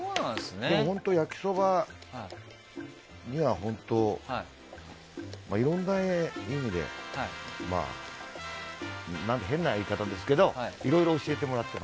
焼きそばには本当、いろんな意味で変な言い方ですけどいろいろ教えてもらって。